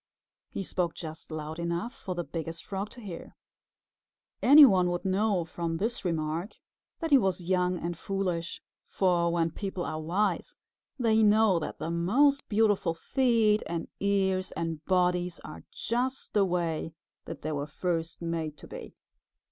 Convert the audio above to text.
He spoke just loud enough for the Biggest Frog to hear. Any one would know from this remark that he was young and foolish, for when people are wise they know that the most beautiful feet and ears and bodies are just the way that they were first made to be.